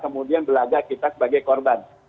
kemudian belajar kita sebagai korban